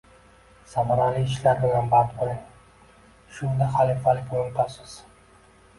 Samarali ishlar bilan band bo‘ling, shunda xafalikni unutasiz.